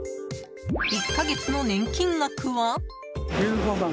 １か月の年金額は？